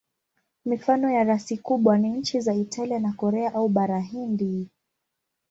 Mifano ya rasi kubwa ni nchi za Italia na Korea au Bara Hindi.